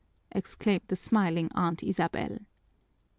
exclaimed the smiling Aunt Isabel.